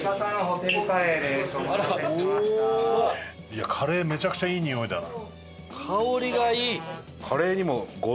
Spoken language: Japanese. いやカレーめちゃくちゃいいにおいだな。